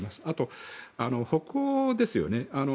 あと、北欧ですよね。